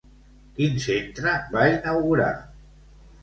Quin centre va inaugurar?